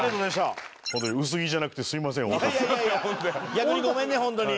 逆にごめんねホントに。